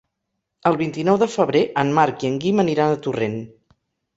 El vint-i-nou de febrer en Marc i en Guim aniran a Torrent.